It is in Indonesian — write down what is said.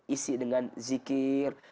isi dengan zikir